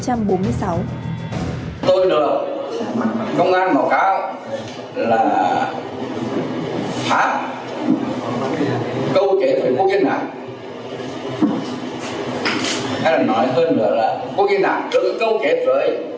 hay là nói hơn nữa là quốc dân đảng được cấu kết với tổ tư